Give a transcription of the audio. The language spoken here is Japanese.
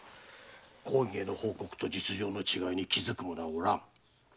公儀への報告と実情の違いに気づく者はおらぬ。